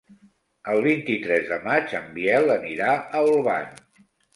El vint-i-tres de maig en Biel anirà a Olvan.